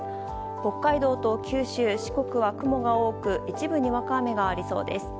北海道と九州、四国は雲が多く一部にわか雨がありそうです。